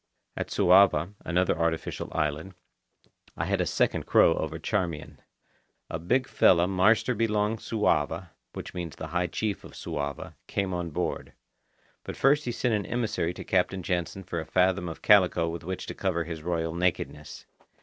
At Suava, another artificial island, I had a second crow over Charmian. A big fella marster belong Suava (which means the high chief of Suava) came on board. But first he sent an emissary to Captain Jansen for a fathom of calico with which to cover his royal nakedness.